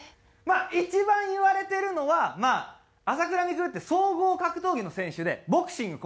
一番言われてるのはまあ朝倉未来って総合格闘技の選手でボクシング